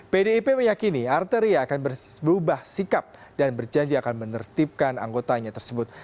pdip meyakini arteria akan berubah sikap dan berjanji akan menertibkan anggotanya tersebut